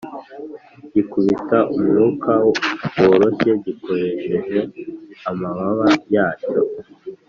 gikubita umwuka woroshye gikoresheje amababa yacyo